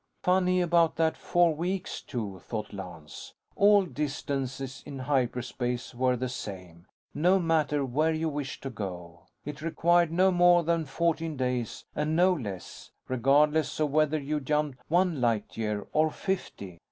Funny about that four weeks, too, thought Lance. All distances in hyperspace were the same, no matter where you wished to go; it required no more than fourteen days and no less, regardless of whether you jumped one light year or fifty.